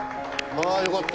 ああよかった。